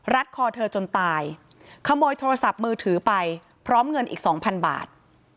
คอเธอจนตายขโมยโทรศัพท์มือถือไปพร้อมเงินอีกสองพันบาท